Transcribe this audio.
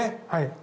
はい。